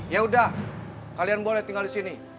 ya udah kalian boleh tinggal disini